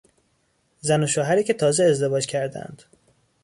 زن و شوهری که تازه ازدواج کردهاند